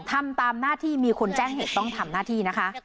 ทำตามหน้าที่มีคนแจ้งเหตุต้องทำหน้าที่นะคะ